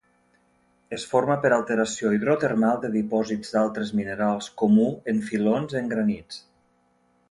Es forma per alteració hidrotermal de dipòsits d'altres minerals, comú en filons en granits.